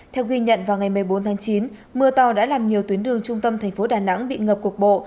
theo ghi nhận vào ngày một mươi bốn tháng chín mưa to đã làm nhiều tuyến đường trung tâm thành phố đà nẵng bị ngập cục bộ